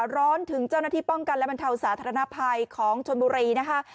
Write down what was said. ร้อนถึงเจ้าหน้าที่ป้องกันและบรรเทาสาธารณภัยของชนบุรีนะคะ